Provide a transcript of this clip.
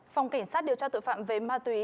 phòng cảnh sát điều tra tội phạm về ma túy